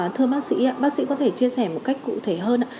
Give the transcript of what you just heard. thưa bác sĩ bác sĩ có thể chia sẻ một cách cụ thể hơn ạ